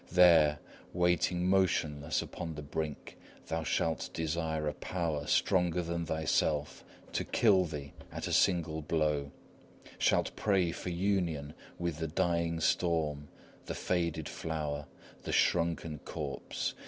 There, waiting motionless upon the brink, thou shalt desire a power stronger than thyself to kill thee at a single blow shalt pray for union with the dying storm, the faded flower, the shrunken corpse.